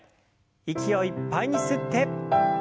息をいっぱいに吸って。